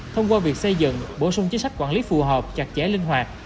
thông qua việc xây dựng bổ sung chính sách quản lý phù hợp chặt chẽ linh hoạt